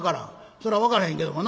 そら分からへんけどもな」。